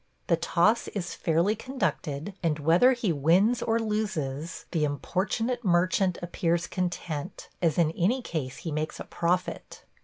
The toss is fairly conducted, and whether he wins or loses the importunate merchant appears content, as in any case he makes a profit.